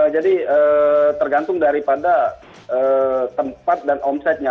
jadi tergantung daripada tempat dan omsetnya